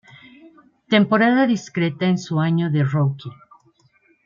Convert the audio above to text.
Temporada discreta en su año de rookie.